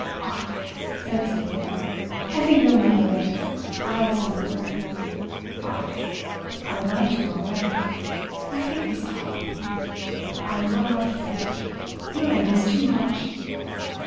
"Ach," said Sabina. "I think no more of it. I listen no more. Ach, I would like to go away—I hate this talk. I will not hear it. No, it is too much."